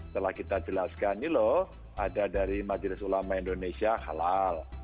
telah kita jelaskan ini loh ada dari majelis ulama indonesia halal